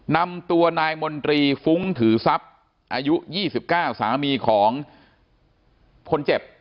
นำตัวนายมนตรีฟุ้งถือทรัพย์อายุ๒๙สามีของคนเจ็บ